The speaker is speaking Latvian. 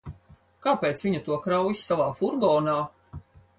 Kāpēc viņa to krauj savā furgonā?